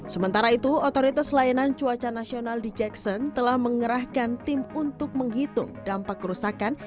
sementara itu otoritas layanan cuaca nasional di jackson telah mengerahkan tim untuk menghitung dampak kerusakan